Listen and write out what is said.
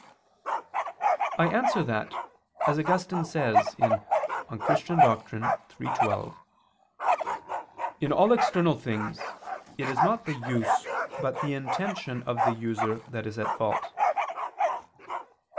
I answer that, As Augustine says (De Doctr. Christ. iii, 12), "in all external things, it is not the use but the intention of the user that is at fault."